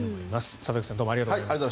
里崎さんどうもありがとうございました。